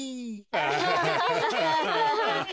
アハハハハ。